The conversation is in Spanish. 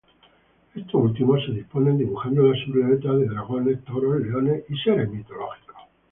Estos últimos se disponen dibujando la silueta de dragones, toros, leones y seres mitológicos.